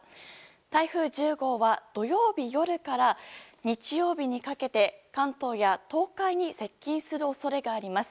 台風１０号は土曜日夜から日曜日にかけて関東や東海に接近する恐れがあります。